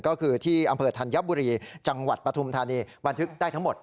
ก็คือที่อำเภอธัญบุรีจังหวัดปฐุมธานีบันทึกได้ทั้งหมด